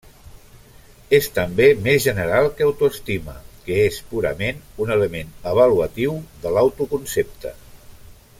És també més general que autoestima, que és purament un element avaluatiu de l'autoconcepte.